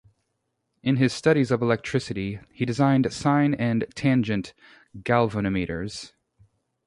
In his studies of electricity, he designed sine and tangent galvanometers.